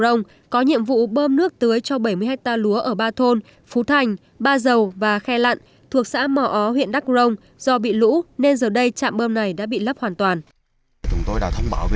trạm bơm mò ó ở huyện đắk cửa có nhiệm vụ bơm nước tưới cho bảy mươi hecta lúa ở ba thôn phú thành ba dầu và khe lặn thuộc xã mò ó huyện đắk cửa do bị lũ nên giờ đây trạm bơm này đã bị lấp hoàn toàn